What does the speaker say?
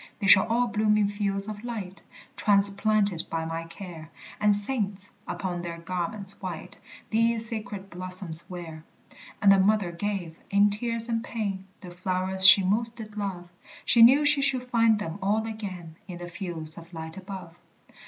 "They shall all bloom in fields of light, Transplanted by my care, And saints, upon their garments white, These sacred blossoms wear." And the mother gave, in tears and pain, The flowers she most did love; She knew she should find them all again In the fields of light above.